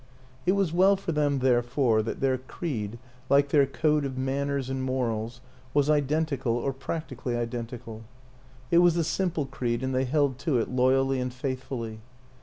It was well for them, therefore, that their creed, like their code of manners and morals, was identi cal or practically identical. It was a simple creed and they held to it loyally and faithfully.